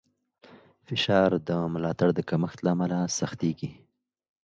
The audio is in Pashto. فشار د ملاتړ د کمښت له امله سختېږي.